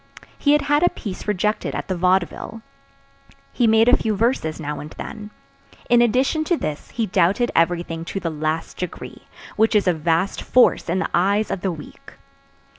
He had had a piece rejected at the Vaudeville. He made a few verses now and then. In addition to this he doubted everything to the last degree, which is a vast force in the eyes of the weak.